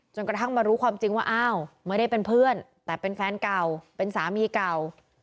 กระทั่งมารู้ความจริงว่าอ้าวไม่ได้เป็นเพื่อนแต่เป็นแฟนเก่าเป็นสามีเก่า